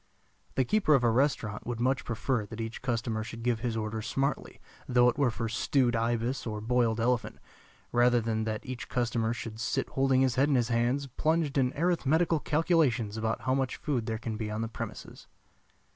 The keeper of a restaurant would much prefer that each customer should give his order smartly, though it were for stewed ibis or boiled elephant, rather than that each customer should sit holding his head in his hands, plunged in arithmetical calculations about how much food there can be on the premises.